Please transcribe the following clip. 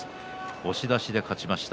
押し出しで勝ちました